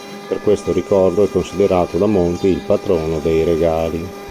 Per questo ricordo è considerato da molti il patrono dei regali.